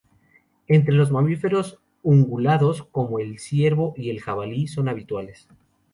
Entre los mamíferos ungulados, como el ciervo y el jabalí, son habituales.